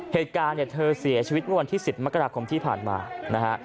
เหตุการณ์เนี่ยเธอเสียชีวิตเมื่อวันที่๑๐มกราคมที่ผ่านมานะฮะ